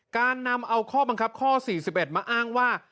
การนำเอาข้อบังคับข้อ๔๑มาอ้างว่า